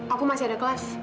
aku masih ada kelas